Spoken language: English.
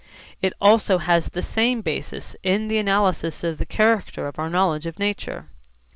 It also has the same basis in the analysis of the character of our knowledge of nature.